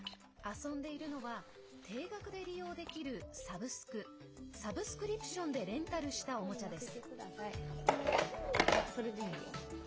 遊んでいるのは定額で利用できるサブスク＝サブスクリプションでレンタルしたおもちゃです。